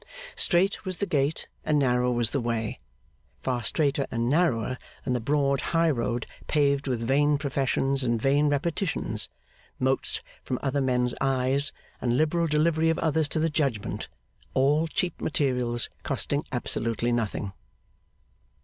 Strait was the gate and narrow was the way; far straiter and narrower than the broad high road paved with vain professions and vain repetitions, motes from other men's eyes and liberal delivery of others to the judgment all cheap materials costing absolutely nothing.